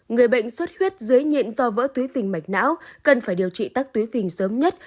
người bệnh suất huyết dế nhện do vỡ túi phình mạch não cần phải điều trị tắc túi phình sớm nhất